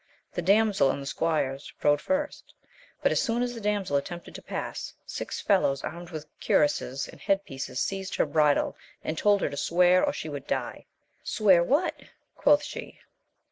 The damsel and the squires rode first, but as soon as the damsel attempted to pass, six fellows armed with cuirasses and head pieces seized her bridle, and told her to swear or she should die. Swear what? quoth she.